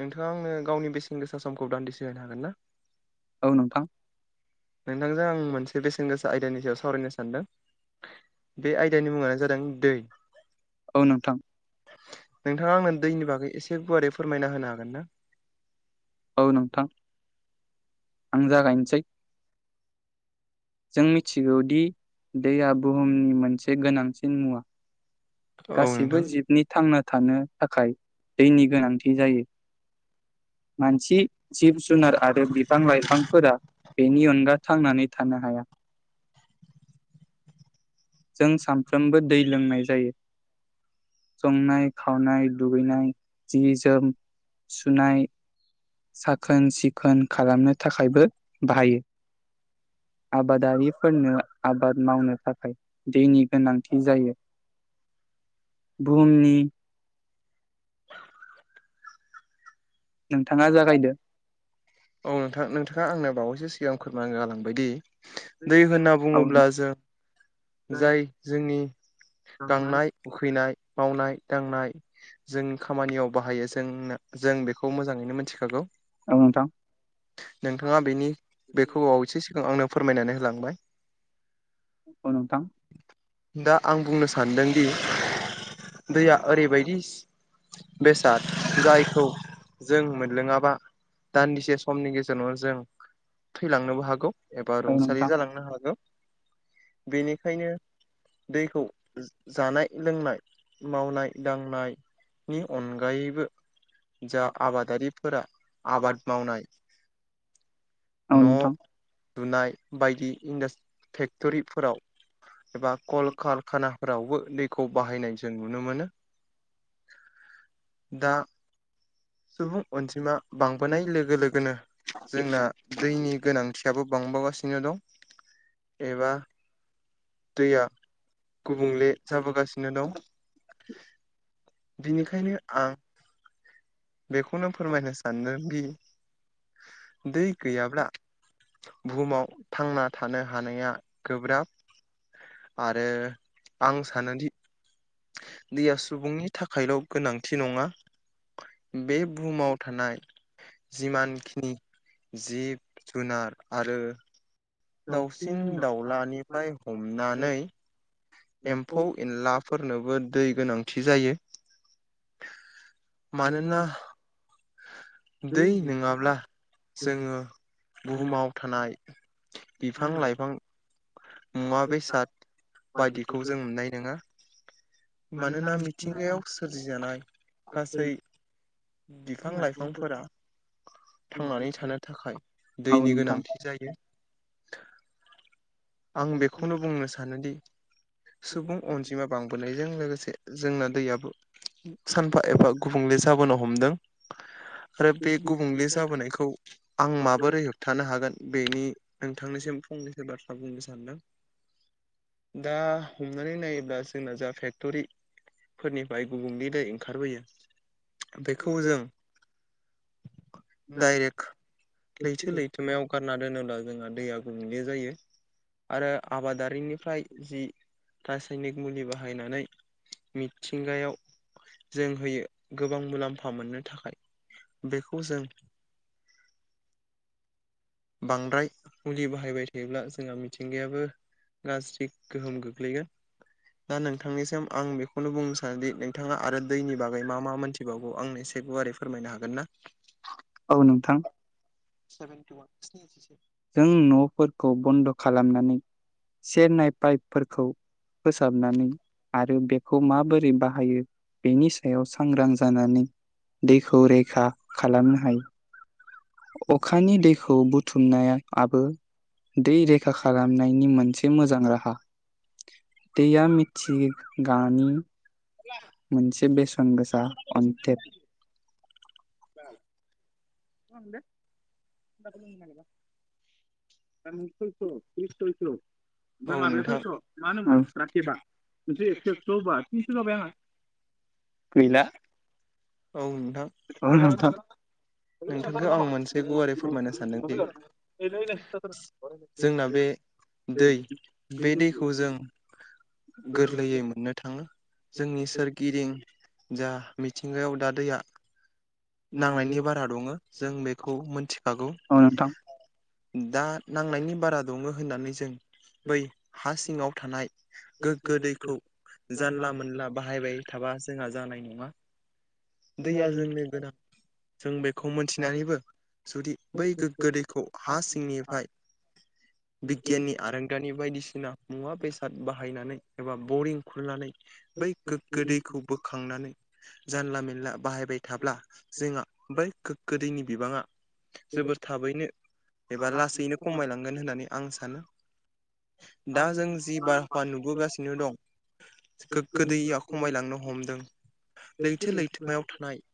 नोंथाङा आंनो गावनि बेसेन गोसा समखौ दान्दिसे होनो हागोन ना औ नोंथां नोंथांजों आं मोनसे बेसेन गोसा आयदानि सायाव सावरायनो सानदों बे आयदानि मुङानो जादों दै नोंथाङा आंनो दैनि बागै एसे गुवारै फोरमायना होनो हागोन ना औ नोंथां आं जागायनोसै जों मिथिगौ दि दैया बुहुमनि मोनसे गोनांसिन मुवा गासिबो जिबनि थांना थानो थाखाय दैनि गोनांथि जायो मानसि जिब जुनार आरो बिफां लाइफांफोरा बेनि अनगा थांनानै थानो हाया जों सानफ्रोमबो दै लोंनाय जायो संनाय खावनाय दुगैनाय जि जोम सुनाय साखोन सिखोन खालामनो थाखायबो बाहायो आबादारिफोरनो आबाद मावनो थाखाय दैनि गोनांथि जायो बुहुमनि नोंथाङा जागायदो औ नोंथां नोंथाङा आंनो बावैसो सिगां फोरमागालांबायदि दै होनना बुङोब्ला जों जाय जोंनि गांनाय उखैनाय मावनाय दांनाय जों खामानियाव बाहायो ज जोंना जों बेखौ मोजाङैनो मिथिखागौ औ नोंथां नोंथाङा बेनि बेखौ बावैसो सिगां आंनो फोरमायनानै होलांबाय दा आं बुंनो सानदों दि दैया ओरैबायदि बेसाद जायखौ जों मोनलोङाबा दान्दिसे स समनि गेजेरावनो जों थैलांनोबो हागौ एबा रुंसारि जालांनो हागौ बेनिखायनो दैखौ जानाय लोंनाय मावनाय दांनाय नि अनगायैबो जा आबादारिफोरा आबाद मावनाय न' लुनाय बायदि इन्डास फेक्टरिफोराव एबा कल कारखाना फोरावबो दैखौ बाहायनाय जों नुनो मोनो दा सुबुं अनजिमा बांबोनाय लोगो लोगोनो जोंना दैनि गोनांथियाबो बांबोगासिनो दं एबा दैया गुबुंले जाबोगासिनो दं बिनिखायनो आं बेखौनो फोरमायनो सानदों बि दै गैयाब्ला बुहुमाव थांना थानो हानाया गोब्राब आरो आं सानोदि दैया सुबुंनि थाखायल' गोनांथि नङा बे बुहुमाव थानाय जिमानखिनि जिब जुनार आरो दाउसिन दाउलानिफ्राय हमनानै एम्फौ एनला फोरनोबो दै गोनांथि जायो मानोना दै नोङाब्ला जोङो बुहुमाव थानाय बिफां लाइफां मुवा बेसाद बायदिखौ जों नुनाय नङा मानोना मिथिंगायाव सोरजिजानाय गासै बि फां लाइफांफोरा थांनानै थानो थाखाय दैनि गोनांथि जायो। आं बेखौनो बुंनो सानोदि सुबुं अनजिमा बांबोनायजों लोगोसे जोंना दैयाबो सानफा एफा गुबुंले जाबोनो हमदों। आरो बे गुबुंले जाबोनायखौ आं माबोरै होब थानो हागोन बेनि नोंथांनिसिम फंनैसो बाथ्रा बुंनो सानदों दा हमनानै नायोब्ला जोंना जा फेक्ट'रि फोरनिफ्राय गुबुंलेनि दै ओंखारबोयो बेखौ जों डाइरेक्ट लैथो लैथोमायाव गारना दोनोब्ला जोंहा दैया गुंबुंले जायो। आरो आबादारिनिफ्राय जि रासायनिक मुलि बाहायनानै मिथिंगायाव जों होयो गोबां मुलाम्फा मोननो थाखाय बेखौ जों बांद्राय मुलि बाहायबाय थायोब्ला जोंहा मिथिंगायाबो गाज्रि गोहोम गोग्लैगोन दा नोंथांनिसिम आं बेखौनो बुंनो सानोदि नोंथाङा आरो दैनि बागै मा मा मोनथि थिबावखौ आंनो एसे गुवारै फोरमायनो हागोन ना? औ नोंथां। [unintelligible] जों न'फोरखौ बन्द' खालामनानै सेरनाय पाइपफोरखौ फोसाबनानै आरो बेखौ माबोरै बाहायो बेनि सायाव सांग्रां जानानै दैखौ रैखा खालामनो हायो। अखानि दैखौ बुथुमनायाबो दै रैखा खालामनायनि मोनसे मोजां राहा। दैैया मिथिंगानि मोनसे बेसेन गोसा अन्थेब [inaudible] [inaudible] [unintelligible] [unintelligible] गैला औ नोंथां [unintelligible] नोंथांखौ आं मोनसे गुवारै फोरमायनो सानदोंदि जोंना बे दै बे दैखौ जों गोरलैयै मोननो थाङो जोंनि सोरगिदिं जा मिथिंगायाव दा दैया नांनायनि बारा दङ जों बेखौ मोनथिखागौ। दा नांनायनि बारा दङ होननानै जों बै हा सिङाव थानाय। गोगो दैखौ जानला मोनला बाहायबाय थाबा जोंहा जानाय नङा दैया जोंनो गोनां जों बेखौ मोनथिनानैबो जुदि बै गोगो गोदैखौ हा सिंनिफ्राय बिगियाननि आरोंदानि बायदिसिना मुवा बेसाद बाहायनानै एबा बरिं खुरनानै बै गोगो दैखौ बोखांनानै जानला मेनला बाहायबाय थाब्ला जोंहा बै गोगो दैैनि बिबाङा जोबोर थाबैनो एबा लासैनो खमायलांगोन होननानै आं सानो दा जों जि बारफा नुबोगासिनो दं गोग्गो दैैया खमायलांनो हमदों लैथो लैथोमायाव थानाय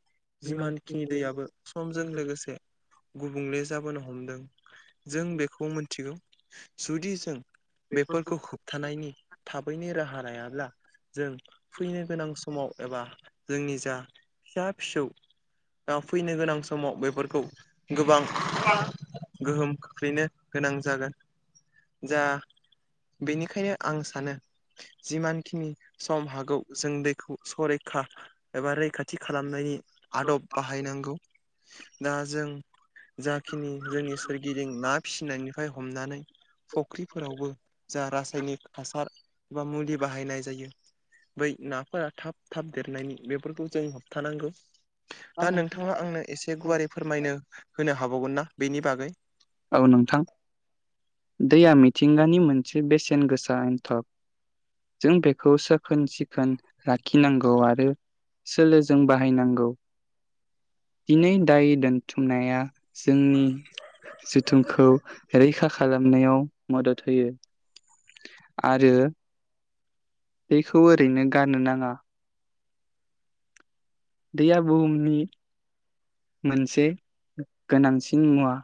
जिमानखिनि दैयाबो समजों लोगोसे गुबुंले जाबोनो हमदों जों बेखौ मोनथिगौ जुदि जों बेफोरखौ होबथानायनि थाबैनो राहा लायाब्ला जों फैनो गोनां समाव एबा जोंनि जा फिसा-फिसौ फैनो गोनां समाव बेफोरखौ गोबां गोहोम खोख्लैनो गोनां जागोन जा बेनिखायनो आं सानो जिमानखिनि सम हागौ जों दैखौ सरैखा एबा रैखाथि खालामनायनि आदब बाहायनांगौ दा जों जाखिनि जोंनि सोरगिदिं ना फिसिनायनिफ्राय हमनानै फुख्रिफोरावबो जा रासायनिक हासार बबा मुलि बाहायनाय जायो बै नाफोरा थाब-थाब देरनायनि बेफोरखौ जों होबथानांगौ। दा नोंथाङा आंनो एसे गुवारै फोरमायनो होनो हाबावगोन ना बेनि बागै? औ नोंथां। दैया मिथिंगानि मोनसे बेसेन गोसा एन्टक। जों बेखौ साखोन सिखोन लाखिनांगौ आरो सोलोजों बाहायनांगौ। दिनै दाय दोनथुमनाया जोंनि जथुमखौ रैखा खालामनायाव मदद होयो। आरो बेखौ ओरैनो गारनो नाङा। दैया बुहुमनि मोनसे गोनांसिन मुवा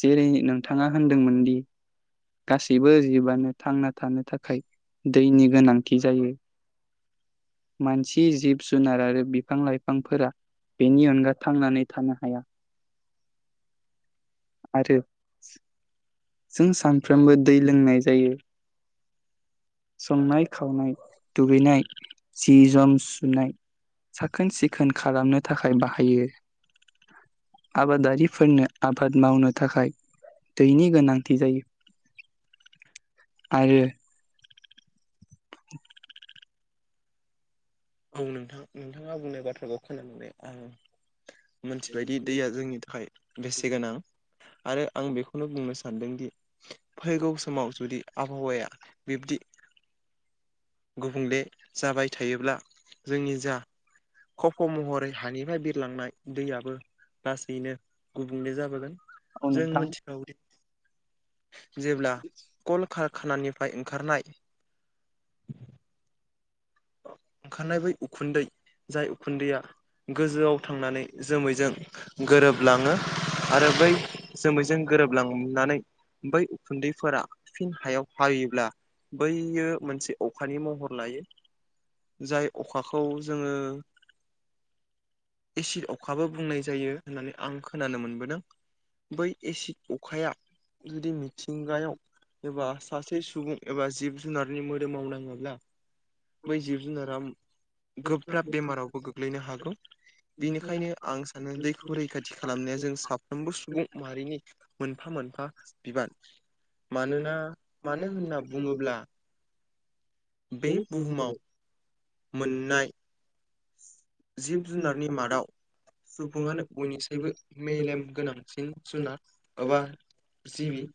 जेरै नोंथाङा होनदोंमोन दि गासैबो जिबआनो थांना थानो थाखाय दैनि गोनांथि जायो। मानसि जिब जुनार आरो बिफां लाइफांफोरा बेनि अनगा थांनानै थानो हाया। आरो जों सानफ्रोमबो दै लोंनाय जायो संनाय-खावनाय, दुगैनाय, जि जोम सुनाय साखोन सिखोन खालामनो थाखाय बाहायो। आबादारिफोरनो आबाद मावनो थाखाय दैनि गोनां थि जायो। आरो औ नोंथां नोंथाङा बुंनाय बाथ्राखौ खोनादों द आं। मोनथिबायदि दैया जोंनि थाखाय बेसे गोनां आरो आं बेखौनो बुंनो सानदोंदि फैगौ समाव जुदि आबहावाया बिब्दि गुबुंले जाबाय थायोब्ला जोंनि जा खफ' महरै हानिफ्राय बिरलांनाय दैयाबो लासैनो गुबुंले जाबोगोन। जों मिथिखागाव जेब्ला कल कारखानानिफ्राय ओंखारनाय ओंखारनाय बै उखुन्दै जाय उखुन्दैया गोजौआव थांनानै जोमैजों गोरोबलाङो आरो बै जोमैजों गोरोबलांनानै बै उखुन्दैफोरा फिन हायाव फाबयोब्ला बैयो मोनसे अखानि महर लायो। जाय अखाखौ जोङो एसिद अखाबो बुंनाय जायो होननानै आं खोनानो मोनबोदों। बै एसिड अखाया जुदि मिथिंगायाव एबा सासे सुबुं एबा जिब जुनारनि मोदोमाव नाङोब्ला बै जिब जुनारा गोब्राब बेमारावबो गोग्लैनो हागौ बिनिखायनो आं सानो दैखौ रैखाथि खालामनाया जों साफ सोमबो सुबुं माहारिनि मोनफा मोनफा बिबान मानोना मानो होनना बुङोब्ला बे बुहुमाव मोननाय जिब जुनारनि मादाव सुबुङानो बयनिसायबो मेलेम गोनांसिन जुनार एबा जिबि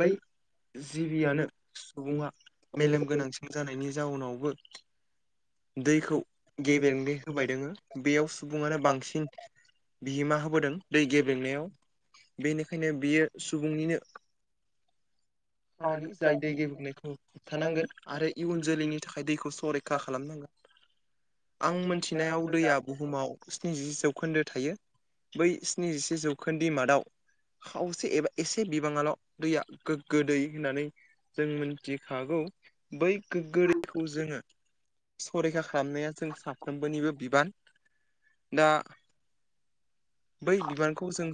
बै जिबियानो सुबुङा मेलेम गोनांसिन जानायनि जाउनावबो दैखौ गेबेंनि होबाय दोङो बेयाव सुबुङानो बांसिन बिहोमा होबोदों दै गेब्लेेंनायाव बेनिखायनो बियो सुबुंनिनो खामानि जाय दै गबनायखौ होबथानांगोन आरो इयुन जोलैनि थाखाय दैखौ सरैखा खालामनांगोन आं मिथिनायाव दैया बुहुमाव स्निजिसे जौखोन्दो थायो बै स्निजिसे जौखोन्दो मादाव खावसे एबा एसे बिबाङाल' दैया गोग्गो दै होननानै जों मोन थिखागौ बै गोग्गोैखौ जोङो सरैखा खालामनाया जों साफ्रोमबोनिबो बिबान दा बै बिबानखौ जों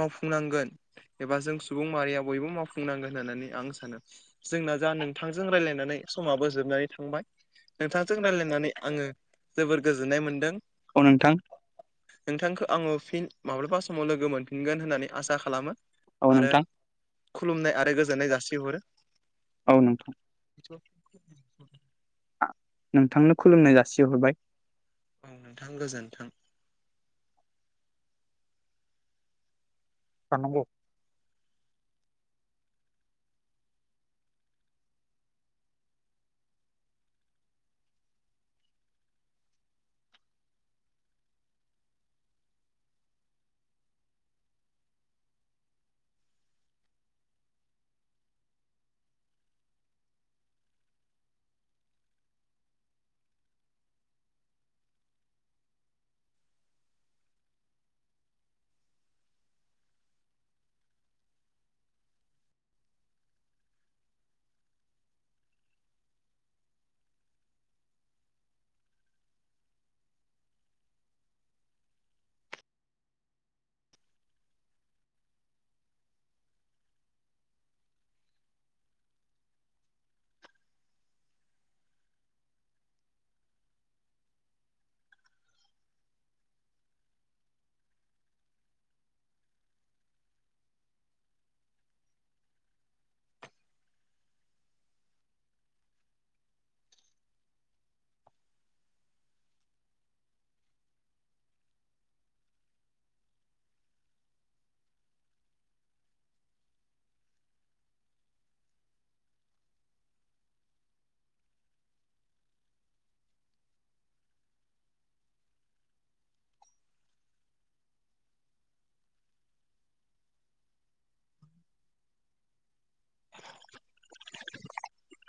मावफुंनांगोन एबा जों सुबुं माहारिया बयबो मावफुं बुंनांगोन होननानै आं सानो जोंना जा नोंथांजों रायज्लायनानै समाबो जोबनानै थांबाय। नोंथांजों रायज्लायनानै आङो जोबोर गोजोननाय मोनदों। नोंथांखौ आङो फिन माब्लाबा समाव लोगो मोनफिनगोन होननानै आसा खालामो आरो खुलुमनाय आरो गोजोननाय जासिहरो औ नोंथां। [unintelligible] नोंथांनो खुलुमनाय जासिहरबाय औ नोंथां गोजोनथां थानांगौ [inaudible] [unintelligible]